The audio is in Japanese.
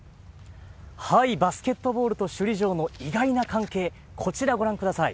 バスケットボールと首里城の意外な関係、こちらご覧ください。